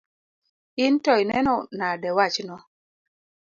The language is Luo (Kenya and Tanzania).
In to ineno nade wachno?